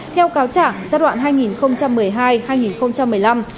theo cáo trạng giai đoạn hai nghìn một mươi hai hai nghìn một mươi năm